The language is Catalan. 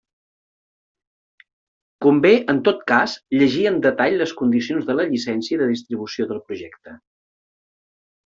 Convé en tot cas llegir en detall les condicions de la llicència de distribució del projecte.